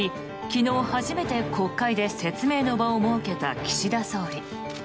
昨日初めて国会で説明の場を設けた岸田総理。